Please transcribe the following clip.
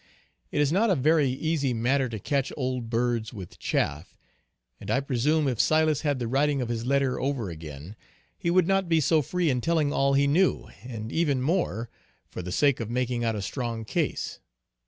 "It is not a very easy matter to catch old birds with chaff," and I presume if Silas had the writing of his letter over again, he would not be so free in telling all he knew, and even more, for the sake of making out a strong case.